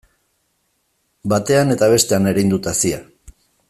Batean eta bestean erein dut hazia.